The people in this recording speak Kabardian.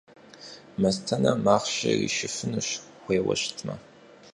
Мастэнэм махъшэ иришыфынущ, хуейуэ щытымэ.